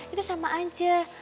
itu sama aja